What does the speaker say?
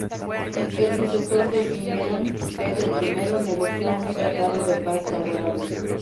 El sucesor de Simeón, Pedro I, negoció un tratado de paz favorable.